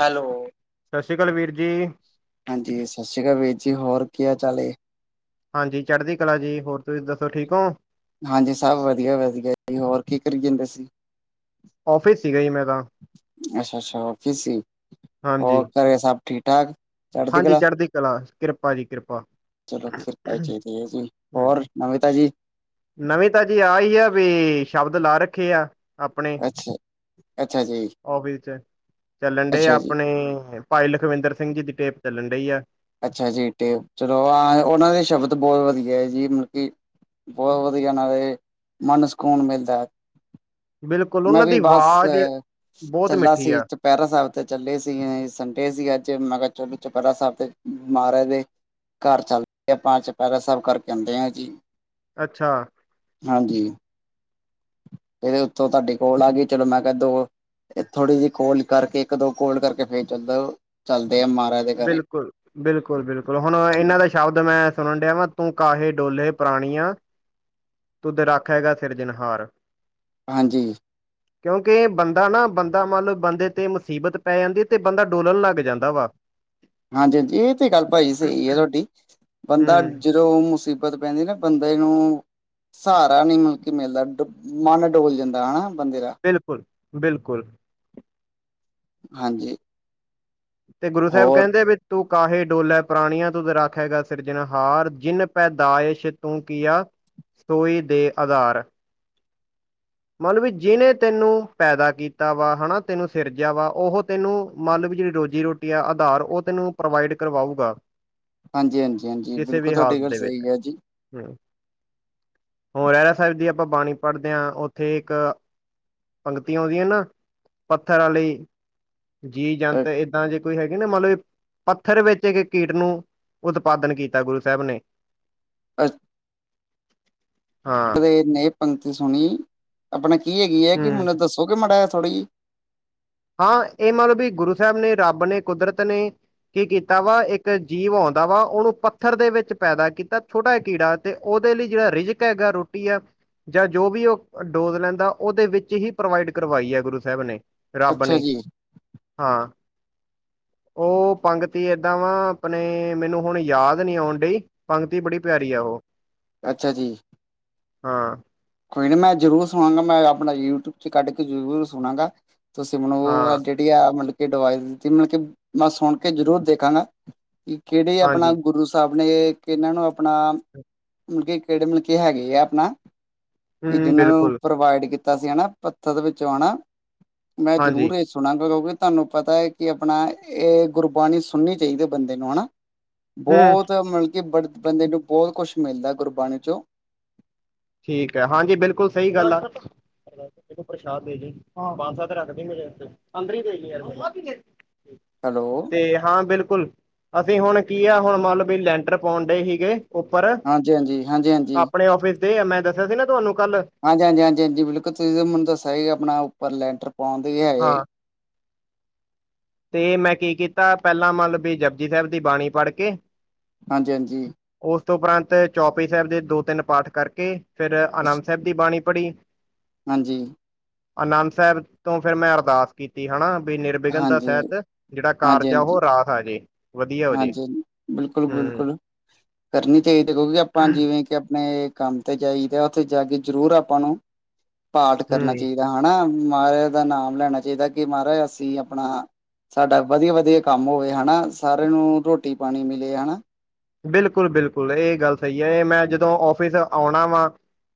Hello, ਸਤਿ ਸ਼੍ਰੀ ਅਕਾਲ ਵੀਰ ਜੀ। ਹਾਂਜੀ ਸਤਿ ਸ੍ਰੀ ਅਕਾਲ ਵੀਰ ਜੀ, ਹੋਰ ਕੀ ਹਾਲ-ਚਾਲ ਐ। ਹਾਂਜੀ ਚੜ੍ਹਦੀ ਕਲਾ ਜੀ, ਹੋਰ ਤੁਸੀਂ ਦੱਸੋ ਠੀਕ ਹੋ? ਹਾਂਜੀ ਸਭ ਵਧੀਆ-ਵਧੀਆ ਜੀ, ਹੋਰ ਕੀ ਕਰੀ ਜਾਦੇ ਸੀਂ। ਔਫਿਸ ਸੀਗਾ [unintelligible] ਅੱਛਾ-ਅੱਛਾ, ਔਫੀਸ ਸੀ ਹਾਂਜੀ ਹੋਰ ਘਰੇ ਸਭ ਠੀਕ-ਠਾਕ? ਹਾਂਜੀ ਚੜ੍ਹਦੀ ਕਲਾ ਕਿ੍ਪਾ ਜੀ ਕਿ੍ਪਾ। ਚਲੋ ਕਿ੍ਪਾ ਹੀ ਚਾਈਦੀ ਹੈ ਜੀ। ਹੋਰ ਨਵੀਂ ਤਾਜੀ? ਨਵੀਂ ਤਾਜੀ ਆ ਈ ਆ ਵੀ, ਸ਼ਬਦ ਲਾ ਰੱਖੇ ਆ। ਆਪਣੇ ਅੱਛਾ ਅੱਛਾ ਜੀ ਔਫਿਸ ਚ ਚੱਲਣ ਦੇ ਆ ਅੱਛਾ ਜੀ ਆਪਣੇ ਭਾਈ ਲਖਵਿੰਦਰ ਸਿੰਘ ਜੀ ਦੀ ਟੇਪ ਚੱਲਣ ਦੇਈ ਆ। ਅੱਛਾ ਜੀ ਟੇਪ ਚਲੋ ਆ ਉਹਨਾਂ ਦੇ ਸ਼ਬਦ ਬਹੁਤ ਵਧੀਆ ਹੈ, ਜੀ ਮਤਲਬ ਕੀ ਬਹੁਤ ਵਧੀਆ ਨਾਲੇ ਮਨ ਸਕੂਨ ਮਿਲਦਾ। ਬਿਲਕੁਲ ਮੈਂ ਉਹਨਾਂ ਵੀ ਦੀ ਬਸ, ਆਵਾਜ਼ ਬਹੁਤ ਚੱਲਾ ਮਿੱਠੀ ਸੀ ਆ ਚੁਪਹਿਰਾ ਸਾਹਿਬ ਤੇ ਚੱਲੇ ਸੀ ਅਸੀ, ਸੰਡੇ ਸੀ ਅੱਜ ਮੈਂ ਕਿਆ ਚਲੋ ਚੁਪਹਿਰਾ ਸਾਹਿਬ ਤੇ ਮਾਰਾਜ ਦੇ, ਘਰ ਚੱਲ ਦੇ ਆ ਆਪਾਂ ਚੁਪਹਿਰਾ ਸਾਬ ਕਰਕੇ ਆਂਦੇ ਆ ਜੀ। ਅੱਛਾ। ਹਾਂਜੀ। ਇਹਦੇ ਉਤੋਂ ਤੁਹਾਡੀ ਕੋਲ ਆ ਗਈ, ਚਲੋ ਮੈਂ ਕਹਿ ਦੋ ਏ ਥੋੜੀ ਜੇਈ ਕੋੋਲ ਕਰਕੇ, ਇੱਕ, ਦੋ ਕੋੋਲ ਕਰਕੇ ਫਿਰ ਚੱਲਦਾ ਚੱਲਦੇ ਆਂ ਮਾਂਰਾਜ। ਬਿਲਕੁਲ। ਬਿਲਕੁਲ-ਬਿਲਕੁਲ ਹੁਨ ਇਹਨਾਂ ਦਾ ਸ਼ਬਦ ਮੈਂ ਸੁਣਨ ਦਿਆ ਤੂੰ ਕਾਹੇ ਡੋਲੇ ਪ੍ਰਾਨੀਆ [inaudible] ਤੁਦ ਰਾਖੇਗਾ ਸਿਰਜਨਹਾਰ। ਹਾਂਜੀ। ਕਿਉਂਕਿ, ਬੰਦਾ ਨਾ ਬੰਦਾ ਮੰਨਲੋ ਬੰਦੇ ਤੇ ਮੁਸੀਬਤ ਪੈ ਜਾਂਦੀ ਏ ਤੇ ਬੰਦਾ ਡੋਲਣ ਲੱਗ ਜਾਂਦਾ ਵਾ। ਹਾਂਜੀ-ਹਾਂਜੀ ਇਹ ਤੇ ਗੱਲ ਭਾਜੀ ਸਈ ਆ ਤੁਹਾਡੀ ਬੰਦਾ ਜਦੋ ਹੂੰ ਜੋਦੋੋ ਮੁਸੀਬਤ ਪੈਂਦੀ ਨਾ ਬੰਦੇ ਨੂੰ ਸਹਾਰਾ ਨੀ [unintelligible] ਮਿਲਦਾ, ਡੁ ਮਨ ਡੋਲ ਜਾਂਦਾ ਹੈਨਾ ਬੰਦੇ ਦਾ। ਬਿਲਕੁਲ-ਬਿਲਕੁਲ। ਹਾਂਜੀ। ਤੇ ਗੁਰੂ ਸਾਹਿਬ ਹੋਰ ਕੈਂਂਦੇ ਵੀ ਤੂੰ- ਕਾਹੇ ਡੋਲੈ ਪ੍ਰਾਨੀਆਂ ਤੁਧ ਰਾਖੇਗਾ ਸਿਰਜਣਹਾਰ, ਜਿਨ ਪੈਦਾਇਸ਼ ਤੂੰ ਕੀਆ- [unintelligible] ਦੇ ਆਧਾਰ ਮਲਬ ਵੀ, ਜੀਨੇ ਤੈਨੂੰ ਪੈਦਾ ਕੀਤਾ ਵਾ ਹਨਾ। ਤੈਨੂੰ ਸਿਰਜਿਆ ਵਾ, ਉਹ ਤੈਨੂੰ ਮੰਨ ਵੀ ਜੇੜੀ ਰੋਜ਼ੀ-ਰੋਟੀ ਕੀ ਆ ਆਧਾਰ, ਓ ਤੈਨੂੰ ਪ੍ਰਵਾਈਡ ਕਰਵਾਊਗਾ। ਹਾਂਜੀ-ਹਾਂਜੀ-ਹਾਂਜੀ, ਬਿਲਕੁਲ ਤੁਆਡੀ ਗੱਲ, ਸਈ ਕਿਹਾ ਜੀ। ਹਮ, ਹੁਣ ਰਹਿਰਾਸ ਸਾਹਿਬ ਦੀ ਆਪਾਂ ਬਾਣੀ ਪੜ੍ਹਦੇ ਆਂ ਤੇ ਇਕ, ਪੰਗਤੀ ਔਂਦੀ ਆ ਨਾ, ਪੱਥਰ ਆਲੀ। ਅ- ਜੀ-ਜੰਤ, ਏਦਾਂ ਦੇ ਕੋਈ ਹੈਗੇ ਨਾ, ਮੰਨ ਪੱਥਰ ਵਿੱਚ ਏਕ ਕੀਟ ਨੂੰ, ਉਤਪਾਦਨ ਕੀਤਾ ਗੁਰੂ ਸੈਬ੍ਹ ਨੇ। ਅਛ ਹਾਂ ਮਲਬ ਏ ਨਹੀ ਪੰਗਤੀ ਸੁਨੀ। ਅਪਨੇ ਕੀ ਹੈਗੀ ਏ? ਕਿ ਹੂੰ ਮਨੂੰ ਦੱਸੋਗੇ ਮਾੜਾ ਜਿਆ, ਥੋੜ੍ਹੀ ਜੀ। ਹਾਂ, ਏ ਮਲਬ ਬੀ, ਗੁਰੂ ਸੈਬ੍ਹ ਨੇ, ਰੱਬ ਨੇ, ਕੁਦਰਤ ਨੇ ਕੀ ਕੀਤਾ ਵਾ, ਇੱਕ ਜੀਵ ਔਂਦਾ ਵਾ, ਉਨੂੰ ਪੱਥਰ ਦੇ ਵਿੱਚ ਪੈਦਾ ਕੀਤਾ। ਛੋਟਾ ਜਿਆ ਕੀੜਾ ਤੇ ਉਹਦੇ ਲਈ ਜੇਰਾ ਰਿਜ਼ਕ ਹੈਗਾ, ਰੋਟੀ ਆ ਜਾਂ ਜੋ ਵੀ ਓ ਡੋਜ਼ ਲੈਂਦਾ। ਓਦੇ ਵਿੱਚ ਹੀ ਪ੍ਰਵਾਈਡ ਕਰਵਾਈ ਐ ਗੁਰੂ ਸਾਹਿਬ ਨੇ। ਰੱਬ ਅੱਛਾ ਨੇ, ਜੀ, ਹਾਂ। ਓ ਪੰਗਤੀ ਏਦਾਂ ਵਾਂ ਅਪਨੇ, ਮਿਨੂੰ ਹੁਨ ਯਾਦ ਨੀ ਆਉਣ ਡਈ ਪੰਗਤੀ ਬੜੀ ਪਿਆਰੀ ਆ ਉਹ। ਅੱਛਾ ਜੀ। ਹਾਂ। ਕੋਈ ਨੀ ਮੈਂ ਜ਼ਰੂਰ ਸੁਨਾਂਗਾ। ਮੈਂ ਆਪਨਾ ਯੂਟਊਬ 'ਚ ਕੱਢ ਕੇ ਜ਼ਰੂਰ ਸੁਨਾਂਗਾ। ਤੁਸੀਂ ਮੈਨੂੰ ਓ ਹਾਂ, ਵਦੀਆ ਮਲਬ ਕਿ, ਡਵਾਈਜ਼ ਦਿੱਤੀ। ਮਲਬ ਕਿ ਮੈਂ ਸੁਨ ਕੇ ਜ਼ਰੂਰ ਦੇਖਾਂਗਾ। ਕਿ ਕਿਹੜੇ ਹਾਂਜੀ, ਆਪਨਾ ਗੁਰੂ ਸ ਸਭਨੇ ਕਿੰਨਾਂ ਨੂੰ ਆਪਨਾ, ਮਲਕੇ ਕੇੜ੍ਹੇ ਮਲਕੇ ਹੈਗੇ ਆ, ਆਪਨਾ? ਵੀ ਹੂੰ, ਜਿੰਨਾਂ ਨੂੰ ਬਿਲਕੁਲ, ਪ੍ਰੋਵਾਈਡ ਕੀਤਾ ਸੀ ਹਨਾ। ਪੱਥਰ ਵਿੱਚੋਂ ਹਨਾ। ਮੈਂ ਹਾਂਜੀ, ਜ਼ਰੂਰ ਇਸ ਸੁਨਾਂਗਾ। ਕਿਉਂਕਿ, ਤਾਨੂੰ ਪਤਾ ਏ ਕਿ ਆਪਨਾ, ਏਹ ਗੁਰਬਾਨੀ ਸੁਣਨੀ ਚਾਈਦੀ ਐ ਬੰਦੇ ਨੂੰ, ਹਨਾ। ਹੂੰ, ਬੋਤ ਮਲਬ ਕਿ, ਬਰਤ ਬੰਦੇ ਨੂੰ ਬਹੁਤ ਕੁਛ ਮਿਲਦਾ ਗੁਰਬਾਨੀ 'ਚੋਂ। ਠੀਕ ਐ। ਹਾਂਜੀ, ਬਿਲਕੁਲ ਸਈ ਗੱਲ ਆ। ਇਹਨੂੰ ਪ੍ਰਸ਼ਾਦ ਦੇ ਜ‌ਈ। ਪੰਜ-ਸੱਤ ਰੱਖ ਦੀ ਮੇਰੇ ਆਸਤੇ। ਅੰਦਰ ਈ ਦੇ ਜੀ ਯਾਰ [unintelligible] ਹੈਲੋ। ਤੇ ਹਾਂ, ਬਿਲਕੁਲ। ਅਸੀਂ ਹੁਣ ਕੀ ਆ, ਹੁਣ ਮੰਲਬ ਵੀ ਲੈਂਟਰ ਪਾਉਂਣ ਡਏ ਹੀਗੇ ਉੱਪਰ, ਹਾਂਜੀ-ਹਾਂਜੀ, ਹਾਂਜੀ-ਹਾਂਜੀ। ਆਪਣੇ ਔਫਿਸ ਦੇ। ਆ ਮੈਂ ਦੱਸਿਆ ਸੀ ਨਾ ਤੁਹਾਨੂੰ ਕੱਲ੍ਹ ਹਾਂਜੀ-ਹਾਂਜੀ-ਹਾਂਜੀ-ਹਾਂਜੀ। ਬਿਲਕੁਲ, ਤੁਸੀਂ ਤੇ ਮੈਨੂੰ ਦੱਸਿਆ ਸੀ ਆਪਣਾ ਉੱਪਰ ਲੈਂਟਰ ਪਾਉਣ ਦੇ ਵੀ ਹੈਗੈ। ਹਾਂ ਤੇ ਮੈਂ ਕੀ ਕੀਤਾ। ਪਹਿਲਾਂ ਮਲਬ ਵੀ ਜਪਜੀ ਸਾਹਿਬ ਦੀ ਬਾਣੀ ਪੜ੍ਹ ਕੇ ਹਾਂਜੀ-ਹਾਂਜੀ। ਉਸ ਤੋਂ ਉਪਰੰਤ ਚੌਪਈ ਸਾਹਿਬ ਦੇ ਦੋ-ਤਿੰਨ ਪਾਠ ਕਰਕੇ ਫਿਰ ਅਸ ਆਨੰਦ ਸਾਹਿਬ ਦੀ ਬਾਣੀ ਪੜ੍ਹੀ ਹਾਂਜੀ, ਆਨੰਦ ਸਾਹਿਬ ਤੋਂ ਫਿਰ ਮੈਂ ਅਰਦਾਸ ਕੀਤੀ ਹਨਾ। ਵੀ ਨਿਰਵਿਘਨ ਤਾਂ ਹਾਂਜੀ, ਸ਼ਹਿਤ ਜਿਹੜਾ ਕਾਰਜ ਹਾਂਜੀ, ਆ, ਹਾਂਜੀ, ਉਹ ਰਾਸ ਆਜੇ। ਹਾਂਜੀ, ਬਿਲਕੁਲ-ਬਿਲਕੁਲ ਕਰਨੀ ਚਾਹੀਦੀ। ਕਿਉਂਕਿ ਆਪਾਂ ਜਿਵੇਂ ਕਿ ਆਪਣੇ ਕੰਮ ਤੇ ਜਾਈਦਾ। ਉੱਥੇ ਜਾ ਕੇ ਜ਼ਰੂਰ ਆਪਾਂ ਨੂੰ ਪਾਠ ਹੂੰ। ਕਰਨਾ ਚਾਹੀਦਾ। ਹਣਾ। ਮਾਹਰਾਜ ਦਾ ਨਾਮ ਲੈਣਾਂ ਚਾਹੀਦਾ। ਕਿ ਮਾਹਰਾਜ ਅਸੀਂ ਆਪਣਾ ਸਾਡਾ ਵਧੀਆ-ਵਧੀਆ ਕੰਮ ਹੋਵੇ ਹਨਾ। ਸਾਰਿਆਂ ਨੂੰ ਰੋਟੀ-ਪਾਣੀ ਮਿਲੇ ਹਨਾ। ਬਿਲਕੁਲ-ਬਿਲਕੁਲ ਇਹ ਗੱਲ ਸਹੀ ਐ। ਇਹ ਮੈਂ ਜਦੋਂ ਔਫਿਸ ਆਉਣਾ ਵਾ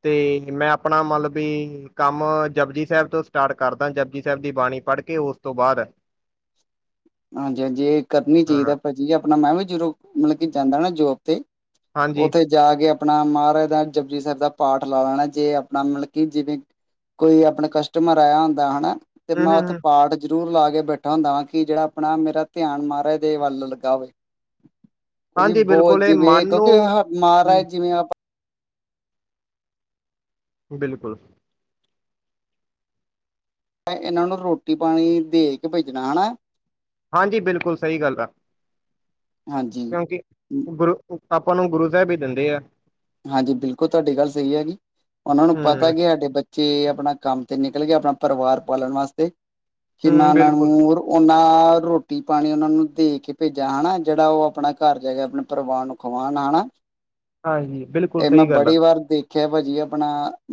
ਤੇ ਮੈਂ ਆਪਣਾ ਮਲਬ ਬੀ, ਕੰਮ ਜਪਜੀ ਸਾਹਿਬ ਤੋਂ ਸਟਾਟ ਕਰਦਾ। ਜਪਜੀ ਸਾਹਿਬ ਦੀ ਬਾਣੀ ਪੜ੍ਹ ਕੇ ਉਸ ਤੋਂ ਬਾਅਦ [inaudible] ਹਾਂਜੀ ਹਾਂਜੀ ਇਹ ਕਰਨੀ ਚਾਹੀਦਾ ਹਾਂ ਭਾਜੀ ਆਪਣਾ ਮੈਂ ਵੀ ਜਦੋ ਮਤਲਬ ਕਿ ਜਾਂਦਾ ਨਾ ਜੋਬ ਤੇ ਹਾਂਜੀ ਉੱਥੇ ਜਾ ਕੇ ਆਪਣਾ ਮਹਾਰਾਜ ਦਾ ਜਪਜੀ ਸਾਹਿਬ ਦਾ ਪਾਠ ਲਾ ਲੈਣਾ ਜੇ ਆਪਣਾ ਮਤਲਬ ਕਿ ਜਿਵੇਂ ਕੋਈ ਆਪਣਾ ਕਸਟਮਰ ਆਇਆ ਹੁੰਦਾ ਹਨਾ ਤੇ ਹੂੰ, ਮੈਂ ਹੂੰ, ਉੱਥੇ ਹੂੰ ਪਾਠ ਜਰੂਰ ਲਾ ਕੇ ਬੈਠਾ ਹੁੰਦਾ ਵਾਂ ਕਿ ਜਿਹੜਾ ਆਪਣਾ ਮੇਰਾ ਧਿਆਨ ਮਹਾਰਾਜ ਦੇ ਵੱਲ ਲੱਗਾ ਹੋਵੇ ਕਿਉਂਕਿ ਹਾਂਜੀ ਬਹੁਤ ਬਿਲਕੁਲ ਇਹ ਜਿਵੇਂ ਮਨ ਨੂੰ ਕਿਉਂਕਿ ਮਹਾਰਾਜ ਹੂੰ ਜਿਵੇਂ ਬਿਲਕੁਲ ਇਹਨਾਂ ਨੂੰ ਰੋਟੀ ਪਾਣੀ ਦੇ ਕੇ ਭੇਜਣਾ ਹੈ ਨਾ ਹਾਂਜੀ ਬਿਲਕੁਲ ਸਹੀ ਗੱਲ ਆ ਹਾਂਜੀ ਕਿਉਂਕਿ ਗੁਰੂ ਆਪਾਂ ਨੂੰ ਗੁਰੂ ਸਾਹਿਬ ਹੀ ਦਿੰਦੇ ਆ ਹਾਂਜੀ ਬਿਲਕੁਲ ਤੁਹਾਡੀ ਗੱਲ ਸਹੀ ਹੈਗੀ ਉਹਨਾਂ ਨੂੰ ਪਤਾ ਹੂੰ, ਕੀ ਸਾਡੇ ਬੱਚੇ ਤੇ ਆਪਣਾ ਕੰਮ ਤੇ ਨਿਕਲ ਗਿਆ ਆਪਣਾ ਪਰਿਵਾਰ ਪਾਲਣ ਵਾਸਤੇ [unintelligible] ਹੂੰ ਬਿਲਕੁਲ ਉਹਨਾਂ ਰੋਟੀ ਪਾਣੀ ਉਹਨਾਂ ਨੂੰ ਦੇ ਕੇ ਭੇਜਾ ਹੈਨਾ ਜਿਹੜਾ ਉਹ ਆਪਣਾ ਘਰ ਗਏ ਆਪਣੇ ਪਰਿਵਾਰ ਨੂੰ ਖੁਆਉਣ ਆਣਾ ਹਾਂਜੀ ਬਿਲਕੁਲ ਇਹ ਮੈਂ ਸਹੀ ਗੱਲ ਆ ਬੜੀ ਵਾਰ ਦੇਖਿਆ ਭਾਜੀ ਆਪਣਾ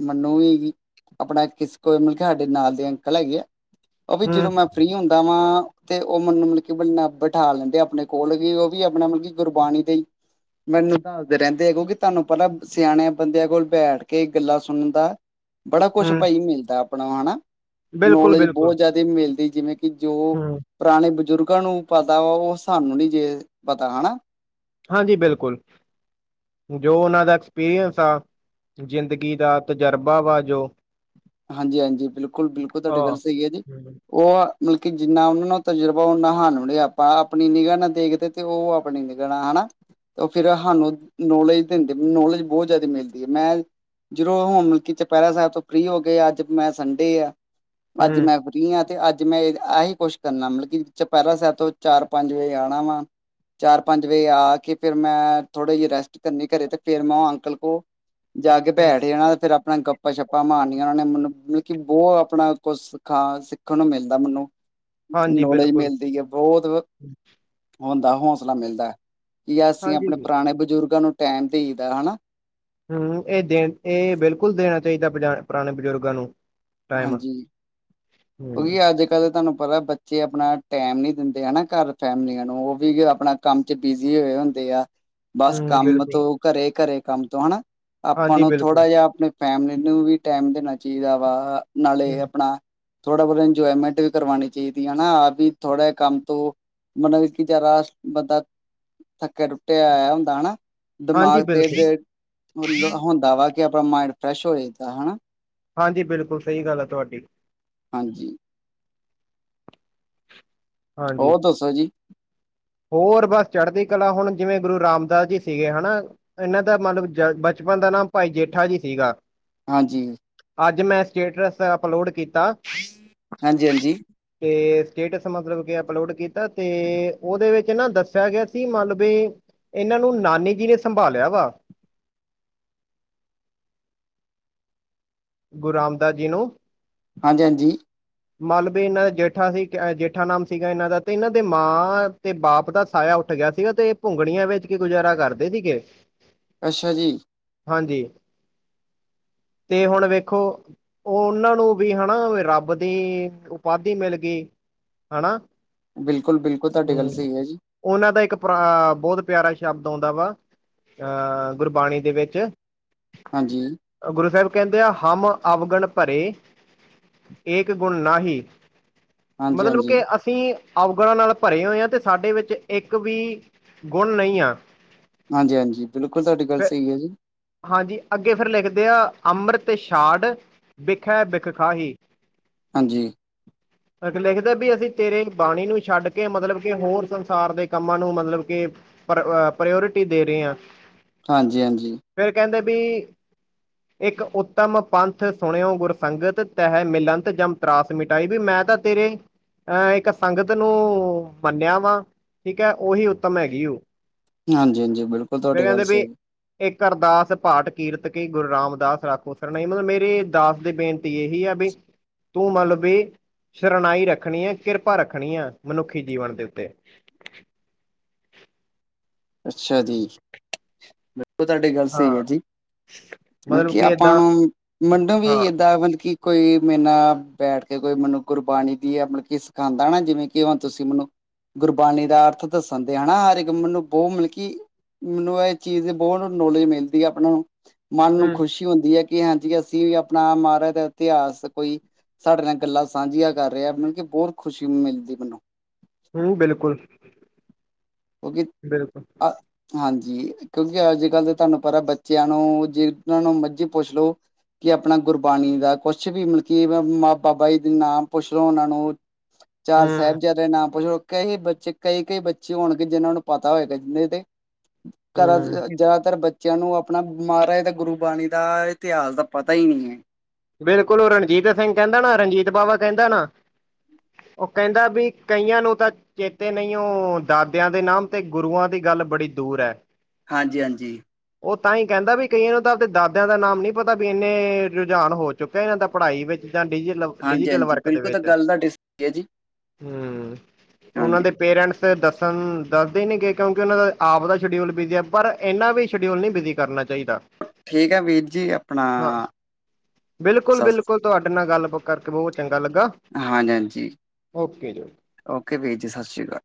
ਮੈਨੂੰ ਵੀ ਕਿ ਆਪਣਾ ਕਿਸ ਕੋਲ ਮਤਲਬ ਕਿ ਸਾਡੇ ਨਾਲ ਦੇ ਅੰਕਲ ਹੈਗੇ ਆ ਉਹ ਵੀ ਹੂੰ, ਜਦੋਂ ਮੈਂ ਫ੍ਰਰੀ ਹੁੰਦਾ ਵਾ ਤੇ ਉਹ ਮੈਨੂੰ ਮਤਲਬ ਵੀ ਬਿਠਾ ਲੈਂਦੇ ਆਪਣੇ ਕੋਲ ਵੀ ਉਹ ਵੀ ਆਪਣਾ ਮਤਲਬ ਕਿ ਗੁਰਬਾਣੀ ਦੇ ਮੈਨੂੰ ਦੱਸਦੇ ਰਹਿੰਦੇ ਹੈ ਕਿਉਂਕਿ। ਤੁਹਾਨੂੰ ਪਤਾ ਸਿਆਣਿਆਂ ਬੰਦਿਆਂ ਕੋਲ ਬੈਠ ਕੇ ਗੱਲਾਂ ਸੁਣਨ ਦਾ ਬੜਾ ਕੁਛ ਹੂੰ ਭਾਈ ਮਿਲਦਾ ਆਪਣਾ ਹੈਨਾ ਨੌਲੇਜ ਬਿਲਕੁਲ-ਬਿਲਕੁਲ ਬਹੁਤ ਜ਼ਿਆਦਾ ਮਿਲਦੀ ਜਿਵੇਂ ਕਿ ਜੋ ਹੂੰ ਪੁਰਾਣੇ ਬਜ਼ੁਰਗਾਂ ਨੂੰ ਪਤਾ ਉਹ ਸਾਨੂੰ ਨਹੀਂ ਜੇ ਪਤਾ ਹੈਨਾ। ਹਾਂਜੀ ਬਿਲਕੁਲ। ਜੋ ਉਹਨਾਂ ਦਾ ਐਕਸਪੀਰੀਅੰਸ ਆ ਜ਼ਿੰਦਗੀ ਦਾ ਤਜਰਬਾ ਵਾ ਜੋ ਹਾਂਜੀ, ਹਾਂਜੀ ਬਿਲਕੁਲ, ਬਿਲਕੁਲ ਤੁਹਾਡੀ ਗੱਲ ਹਾਂ, ਸਹੀ ਹੈ ਜੀ। ਹੂੰ, ਉਹ ਮਤਲਬ ਕਿ ਜਿੰਨਾ ਉਹਨਾ ਨੂੰ ਤਜਰਬਾ [unintelligible] ਤੇ ਉਹ ਆਪਣੀ [unintelligible] ਫਿਰ ਸਾਨੂੰ ਨੌਲੇਜ ਦਿੰਦੇ ਨੌਲੇਜ ਬਹੁਤ ਜ਼ਿਆਦਾ ਮਿਲਦੀ ਹੈ ਮੈਂ ਜਦੋਂ ਹੁਣ ਮਤਲਬ ਚਪਹਿਰਾ ਸਾਹਿਬ ਤੋਂ ਫ੍ਰਰੀ ਹੋ ਕੇ ਅੱਜ ਮੈਂ ਸੰਡੇ ਆ ਹੂੰ ਅੱਜ ਮੈਂ ਫਰੀ ਆ ਤੇ ਅੱਜ ਮੈਂ ਇਹੀ ਕੁਛ ਕਰਨਾ ਮਤਲਬ ਕਿ ਚਪਹਿਰਾ ਸਾਹਿਬ ਤੋਂ ਚਾਰ ਪੰਜ ਵਜੇ ਆਉਣਾ ਵਾ ਚਾਰ ਪੰਜ ਵਜੇ ਆ ਕੇ ਫਿਰ ਮੈਂ ਥੋੜਾ ਜਿਹੀ ਰੈਸਟ ਕਰਨੀ ਘਰੇ ਤੇ ਫਿਰ ਮੈਂ ਅੰਕਲ ਕੋਲ ਜਾ ਕੇ ਹੂੰ, ਬੈਠ ਜਾਣਾ ਤੇ ਫੇਰ ਆਪਣਾ ਗੱਪਾਂ ਸ਼ੱਪਾਂ ਮਾਰਨੀਆਂ। ਉਹਨਾਂ ਨੇ ਮੈਨੂੰ ਮਤਲਬ ਕਿ ਬਹੁਤ ਆਪਣਾ ਕੁਛ ਸਿਖਾ ਸਿੱਖਣ ਨੂੰ ਮਿਲਦਾ ਮੈਨੂੰ ਹਾਂਜੀ ਨੌਲੇਜ ਬਿਲਕੁਲ। ਮਿਲਦੀ ਹੈ ਬਹੁਤ। ਹੁੰਦਾ ਹੌਸਲਾ ਮਿਲਦਾ ਹੈ ਕੀ ਅਸੀਂ ਹਾਂਜੀ, ਆਪਣੇ ਪੁਰਾਣੇ ਬਜ਼ੁਰਗਾਂ ਨੂੰ ਟੈਮ ਦਈ ਦਾ ਹਨਾ। ਹਮ ਇਹ ਦੇ ਇਹ ਬਿਲਕੁਲ ਦੇਣਾ ਚਾਹੀਦਾ ਪੁਰਾਣੇ ਬਜ਼ੁਰਗਾਂ ਨੂੰ। ਟਾਈਮ। ਹਾਂਜੀ। ਹੂੰ, ਕਿਉਂਕਿ ਅੱਜ ਕੱਲ ਤੁਹਾਨੂੰ ਪਤਾ ਬੱਚੇ ਆਪਣਾ ਟੈਮ ਨੀ ਦਿੰਦੇ ਹਨਾ ਘਰ ਫੈਮਲੀਆਂ ਨੂੰ ਉਹ ਵੀ ਆਪਣਾ ਕੰਮ ਚ ਬਿਜ਼ੀ ਹੋਏ ਹੁੰਦੇ ਆ। ਬਸ ਹੂੰ ਕੰਮ ਬਿਲਕੁਲ, ਤੋਂ ਘਰੇ ਘਰੇ ਕੰਮ ਤੋਂ ਹਨਾ ਆਪਾਂ ਹਾਂਜੀ ਨੂੰ ਬਿਲਕੁਲ, ਥੋੜਾ ਜਿਹਾ ਆਪਣੇ ਫੈਮਲੀ ਨੂੰ ਵੀ ਟਾਈਮ ਦੇਣਾ ਚਾਹੀਦਾ ਵਾ ਨਾਲੇ ਹੂੰ, ਆਪਣਾ ਥੋੜ੍ਹਾ ਬਹੁਤ ਇੰਜੋਏਮੈਂਟ ਵੀ ਕਰਵਾਉਣੀ ਚਾਹੀਦੀ ਹਨਾ ਥੋੜਾ ਕੰਮ ਤੋਂ ਮਤਲਬ ਕਿ ਜਿਆਦਾ ਬੰਦਾ ਥੱਕਿਆ ਟੁੱਟਿਆ ਆਇਆ ਹੁੰਦਾ ਹਨਾ। ਹਾਂਜੀ ਦਿਮਾਗ ਤੇ ਬਿਲਕੁਲ, ਹੁੰਦਾ ਵਾ ਕਿ ਆਪਣਾ ਮਾਇੰਡ ਫਰੈਸ਼ ਹੋ ਜਾਦਾ ਹਨਾ। ਹਾਂਜੀ। ਬਿਲਕੁਲ ਸਹੀ ਗੱਲ ਹੈ ਤੁਹਾਡੀ। ਹਾਂਜੀ। ਹੋਰ ਹਾਂਜੀ। ਦੱਸੋ ਜੀ? ਹੋਰ ਬਸ ਚੜਦੀ ਕਲਾ ਹੁਣ ਜਿਵੇਂ ਗੁਰੂ ਰਾਮਦਾਸ ਜੀ ਸੀਗੇ ਹਨਾ। ਇਹਨਾਂ ਦਾ ਮਤਲਬ ਬਚਪਨ ਦਾ ਨਾਮ ਭਾਈ ਜੇਠਾ ਜੀ ਸੀਗਾ। ਹਾਂਜੀ। ਅੱਜ ਮੈਂ ਸਟੇਟਸ ਅਪਲੋਡ ਕੀਤਾ। ਹਾਂਜੀ- ਹਾਂਜੀ। ਤੇ ਸਟੇਟਸ ਮਤਲਬ ਕੇ ਅਪਲੋਡ ਕੀਤਾ ਤੇ ਉਹਦੇ ਵਿੱਚ ਨਾ ਦੱਸਿਆ ਗਿਆ ਸੀ ਮੰਨਲਬ ਵੀ ਇਹਨਾਂ ਨੂੰ ਨਾਨੀ ਜੀ ਨੇ ਸੰਭਾਲਿਆ ਵਾ। ਗੁਰੂ ਰਾਮਦਾਸ ਜੀ ਨੂੰ। ਹਾਂਜੀ- ਹਾਂਜੀ। ਮਨ ਬੀ ਇਹਨਾਂ ਦਾ ਜੇਠਾ ਸੀ ਜੇਠਾ ਨਾਮ ਸੀਗਾ ਇਹਨਾਂ ਦਾ ਤੇ ਇਹਨਾਂ ਦੇ ਮਾਂ ਤੇ ਬਾਪ ਦਾ ਸਾਇਆ - ਉੱਠ ਗਿਆ ਸੀਗਾ ਤੇ ਇਹ ਘੁੰਗਣੀਆਂ ਵੇਚ ਕੇ ਗੁਜ਼ਾਰਾ ਕਰਦੇ ਸੀਗੇ। ਅੱਛਾ ਜੀ। ਹਾਂਜੀ, ਤੇ ਹੁਣ ਵੇਖ- ਦੇਖੋ ਉਹਨਾਂ ਨੂੰ ਵੀ ਹਨਾ ਰੱਬ ਦੀ ਉਪਾਧੀ ਮਿਲ ਗਈ। ਹਨਾ। ਬਿਲਕੁਲ- ਬਿਲਕੁਲ ਤੁਹਾਡੀ ਗੱਲ ਹੂੰ ਸਹੀ ਹੈ ਜੀ। ਉਹਨਾਂ ਦਾ ਇੱਕ ਪੁਰਾਣਾ ਬੋਤ ਪਿਆਰਾ ਸ਼ਬਦ ਆਉਂਦਾ ਵਾ। ਅ ਗੁਰਬਾਣੀ ਦੇ ਵਿੱਚ। ਹਾਂਜੀ। ਗੁਰੂ ਸਾਹਿਬ ਕਹਿੰਦੇ ਆ ਹਮ ਅਵਗਣ ਭਰੇ, ਏਕ ਗੁਣ ਨਾ ਹੀ। ਮਤਲਬ ਹਾਂਜੀ-ਹਾਂਜੀ, ਕੇ ਅਸ- ਅਸੀਂ ਅਵਗੁਣਾ ਨਾਲ ਭਰੇ ਹੋਏ ਹਾਂ ਤੇ ਸਾਡੇ ਵਿੱਚ ਇੱਕ ਵੀ ਗੁਣ ਨਹੀਂ ਆ। ਹਾਂਜੀ- ਹਾਂਜੀ ਬਿਲਕੁਲ ਤੁਹਾਡੀ ਗੱਲ ਫਿਰ ਸਹੀ ਹੈ ਜੀ। ਹਾਂਜੀ ਅੱਗੇ ਫੇਰ ਲਿਖਦੇ ਆ, ਅੰਮ੍ਰਿਤ ਛਾਡ- ਬਿੱਖ ਹੈ ਬਿੱਖ ਖਾਹੀ। ਹਾਂਜੀ। ਲਿਖਦਾ ਵੀ ਅਸੀਂ ਤੇਰੇ ਬਾਣੀ ਨੂੰ ਛੱਡ ਕੇ ਮਤਲਬ ਕਿ ਹੋਰ ਸੰਸਾਰ ਦੇ ਕੰਮਾਂ ਨੂੰ ਮਤਲਬ ਕੇ, ਪਰ ਪ੍ਰਿਓਰਿਟੀ ਦੇ ਰਹੇ ਹਾਂ। ਹਾਂਜੀ- ਹਾਂਜੀ। ਫੇਰ ਕਹਿੰਦੇ ਵੀ ਇੱਕ ਉਤਮ ਪੰਥ ਸੁਣਿਓ ਗੁਰਸੰਗਤ ਤਹਿ ਮਿਲੰਤ ਜਮ- ਤਰਾਸ ਮਿਟਾਈ, ਵੀ ਮੈਂ ਤਾਂ ਤੇਰੇ ਅਹ ਇੱਕ ਸੰਗਤ ਨੂੰ ਮੰਨਿਆ ਵਾ ਠੀਕ ਹੈ ਉਹੀ ਉੱਤਮ ਹੈਗੀ ਉਹ। ਹਾਂਜੀ-ਹਾਂਜੀ ਬਿਲਕੁਲ ਫਿਰ ਤੁਹਾਡੀ ਗੱਲ ਕਹਿੰਦੇ ਵੀ ਸਹੀ। ਇੱਕ ਅਰਦਾਸ ਪਾਟ ਕੀਰਤ ਕੀ ਗੁਰੂ ਰਾਮਦਾਸ ਰਾਖੁ ਸਰਨਾਈ।। ਮਤਲਬ ਮੇਰੇ ਦਾਸ ਦੀ ਬੇਨਤੀ ਇਹੀ ਆ ਵੀ। ਤੂੰ ਮਤਲਬ ਵੀ ਸਰਨਾਈ ਰੱਖਣੀ ਹੈ ਕਿਰਪਾ ਰੱਖਣੀ ਆ ਮਨੁੱਖੀ ਜੀਵਨ ਦੇ ਉੱਤੇ। ਅੱਛਾ ਜੀ। ਉਹ ਤੁਹਾਡੀ ਗੱਲ ਹਾਂ ਸਹੀ ਹੈ ਜੀ ਮਤਲਬ ਕੀ ਕਿ ਆਪਾਂ ਏਦਾਂ ਨੂੰ ਮੈਨੂੰ ਵੀ ਹਾਂ ਏਦਾਂ ਮਲ ਕੀ। ਕੋਈ ਮੇਰੇ ਨਾਲ ਬੈਠ ਕੇ ਕੋਈ ਮੈਨੂੰ ਗੁਰਬਾਣੀ ਦੀ ਮਤਲਬ ਕੀ ਸਿਖਾਉਂਦਾ ਨਾ ਜਿਵੇਂ ਕਿ ਹੁਣ ਤੁਸੀਂ ਮੈਨੂੰ। ਗੁਰਬਾਣੀ ਦਾ ਅਰਥ ਦੱਸਣ ਦੇ ਹਨਾ ਹਰ ਇੱਕ ਮੈਨੂੰ। ਬੋਤ ਮਲਬ ਕਿ ਮੈਨੂੰ ਇਹ ਚੀਜ਼ ਦੇ ਬਹੋਤ ਨੌਲੇਜ ਮਿਲਦੀ ਹੈ। ਆਪ ਨੂੰ ਮਨ ਨੂੰ ਹੂੰ ਖੁਸ਼ੀ ਹੁੰਦੀ ਹੈ ਕਿ ਹਾਂਜੀ ਅਸੀਂ ਵੀ ਆਪਣਾ ਮਹਾਰਾਜ ਦਾ ਇਤਿਹਾਸ ਕੋਈ, ਸਾਡੇ ਨਾਲ ਗੱਲਾਂ ਸਾਂਝੀਆਂ ਕਰ ਰਿਹਾ ਮਤਲਬ ਕਿ ਬਹੁਤ ਖੁਸ਼ੀ ਮਿਲਦੀ ਹੈ ਮੈਨੂੰ। ਹੂੰ ਬਿਲਕੁਲ। [unintelligible] ਬਿਲਕੁਲ। ਹਾਂਜੀ। ਕਿਉਂਕਿ ਅੱਜ ਕੱਲ੍ਹ ਤਾਂ ਤੁਹਾਨੂੰ ਪਤਾ ਬੱਚਿਆਂ ਨੂੰ ਜਿਨਾਂ ਨੂੰ ਮਰਜ਼ੀ ਪੁੱਛ ਲੋ। ਕਿ ਆਪਣਾ ਗੁਰਬਾਣੀ ਦਾ ਕੁਛ ਵੀ ਮਤਲਬ ਕੀ ਮ ਬਾਬਾ ਜੀ ਦੇ ਨਾਮ ਪੁੱਛ ਲਓ ਉਹਨਾਂ ਨੂੰ [inaudible] ਚਾਰ ਹੂੰ ਸਾਹਿਬਜ਼ਾਦੇਆ ਦੇ ਨਾਮ ਪੁੱਛਲੋ ਕਈ ਬੱਚੇ ਕਈ ਕਈ ਬੱਚੇ ਹੋਣਗੇ ਜਿਹਨਾਂ ਨੂੰ ਪਤਾ ਹੋਏਗਾ ਨਹੀਂ ਤੇ। ਘਰਾ ਹੂੰ ਜ਼ਿਆਦਾਤਰ ਬੱਚੇ। ਬੱਚਿਆਂ ਨੂੰ ਆਪਣਾ ਮਹਾਰਾਜ ਦਾ ਗੁਰੂਬਾਣੀ ਦਾ ਇਤਿਹਾਸ ਦਾ ਪਤਾ ਹੀ ਨਹੀਂ ਹੈ। ਬਿਲਕੁਲ, ਉਹ ਰਣਜੀਤ ਸਿੰਘ ਕਹਿੰਦਾ ਨਾ ਰਣਜੀਤ ਬਾਵਾ ਕਹਿੰਦਾ ਨਾ। ਉਹ ਕਹਿੰਦਾ ਵੀ ਕਈਆਂ ਨੂੰ ਤਾਂ। ਚੇਤੇ ਨਹੀਂ ਉਹ ਦਾਦਿਆਂ ਦੇ ਨਾਮ ਤੇ ਗੁਰੂਆਂ ਦੀ ਗੱਲ ਬੜੀ ਦੂਰ ਹੈ। ਹਾਂਜੀ-ਹਾਂਜੀ। ਉਹ ਤਾਂ ਹੀ ਕਹਿੰਦਾ ਵੀ ਕਈਆਂ ਨੂੰ ਤਾਂ ਆਪਦੇ ਦਾਦਿਆਂ ਦਾ ਨਾਮ ਨੀ ਪਤਾ ਵੀ ਇੰਨੇ। ਰੁਝਾਨ ਹੋ ਚੁੱਕਾ ਇਹਨਾਂ ਦਾ ਪੜ੍ਹਾਈ ਵਿੱਚ ਜਾਂ [unintelligible] ਹਾਂਜੀ ਡਿਜੀਟਲ ਹਾਂਜੀ ਵਰਕ ਦੇ ਬਿਲਕੁਲ ਤਾਂ ਵਿੱਚ ਗੱਲ ਤੁਹਾਡੀ ਸਹੀ ਹੈ ਜੀ ਹੂੰ ਉਹਨਾਂ ਹਾਂਜੀ ਦੇ ਪੇਰੈਂਟਸ। ਦੱਸਣ ਦੱਸਦੇ ਹੀ ਨਹੀਂ ਗਏ ਕਿਉਂਕਿ ਉਹਨਾਂ ਦਾ ਆਪ ਦਾ ਸ਼ਡਿਊਲ ਬਿਜ਼ੀ ਆ ਪਰ ਇੰਨਾ ਵੀ ਸ਼ਡਿਊਲ ਨਹੀਂ ਬਿਜ਼ੀ ਕਰਨਾ ਚਾਹੀਦਾ। ਚਾਹੀਦਾ। ਠੀਕ ਹੈ ਵੀਰ ਜੀ ਆਪਣਾ। ਸਤਿ ਬਿਲਕੁਲ-ਬਿਲਕੁਲ ਤੁਹਾਡੇ ਨਾਲ ਗੱਲ ਕਰਕੇ ਬਹੁਤ ਚੰਗਾ ਲੱਗਾ। ਹਾਂਜੀ-ਹਾਂਜੀ ਓਕੇ ਜੀ ਓਕੇ ਵੀਰ ਜੀ ਸਤਿ ਸ਼੍ਰੀ ਅਕਾਲ।